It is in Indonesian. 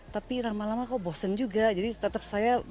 tapi lama lama kok bosen juga jadi tetap saya